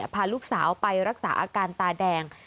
พาลูกสาวไปรักษาอาการตาแดง